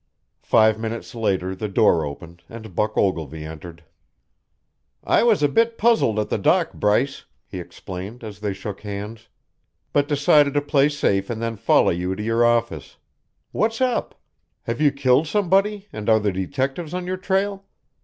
Five minutes later the door opened and Buck Ogilvy entered. "I was a bit puzzled at the dock, Bryce," he explained as they shook hands, "but decided to play safe and then follow you to your office. What's up? Have you killed somebody, and are the detectives on your trail?